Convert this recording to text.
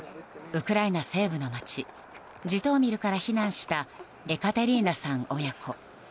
ウクライナ西部の街ジトーミルから避難したエカテリーナさん親子。